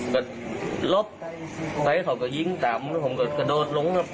ก็ลบไปแล้วเขาก็ยิงตามแล้วผมก็กระโดดลงครับ